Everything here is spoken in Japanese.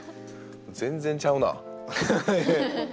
全然ちゃうな。